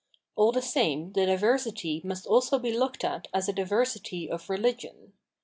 All the same the diversity must also be looked at as a diversity of rehgion.